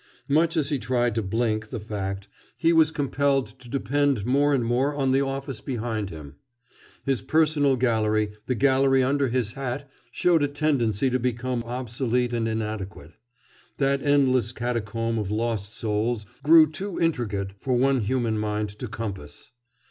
Much as he tried to blink the fact, he was compelled to depend more and more on the office behind him. His personal gallery, the gallery under his hat, showed a tendency to become both obsolete and inadequate. That endless catacomb of lost souls grew too intricate for one human mind to compass.